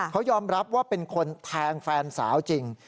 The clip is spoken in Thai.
เขายอมรับว่าเป็นคนแทงแฟนสาวจริง